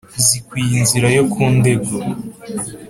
zikwiye inzira yo ku ndego